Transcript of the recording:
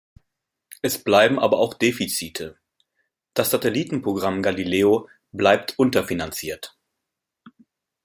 Es bleiben aber auch Defizite. Das Satelliten-Programm Galileo bleibt unterfinanziert.